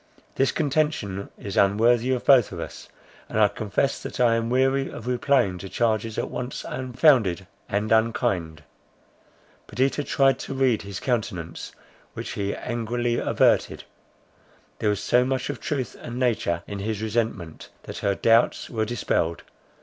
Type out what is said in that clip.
This contention is unworthy of both of us; and I confess that I am weary of replying to charges at once unfounded and unkind." Perdita tried to read his countenance, which he angrily averted. There was so much of truth and nature in his resentment, that her doubts were dispelled.